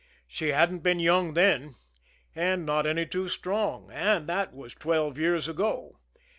She hadn't been very young then, and not any too strong, and that was twelve years ago.